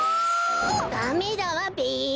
ダメだわべ。